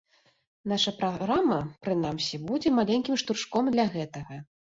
Наша праграма, прынамсі, будзе маленькім штуршком для гэтага.